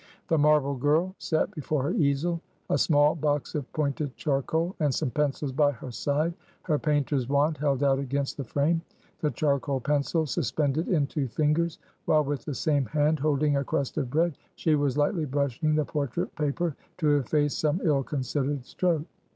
The marble girl sat before her easel; a small box of pointed charcoal, and some pencils by her side; her painter's wand held out against the frame; the charcoal pencil suspended in two fingers, while with the same hand, holding a crust of bread, she was lightly brushing the portrait paper, to efface some ill considered stroke.